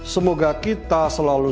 semoga kita selalu